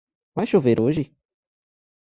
Vai chover hoje?